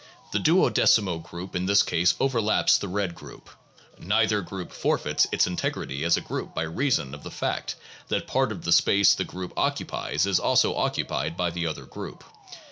The duodecimo group in this case overlaps the red group. Neither group forfeits its integrity as a group by reason of the fact that part of the space the group occupies is also occupied by the other group.